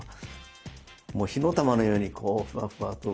もう火の玉のようにこうフワフワと。